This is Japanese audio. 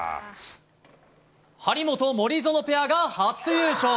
張本・森薗ペアが初優勝。